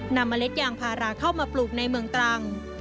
เมล็ดยางพาราเข้ามาปลูกในเมืองตรัง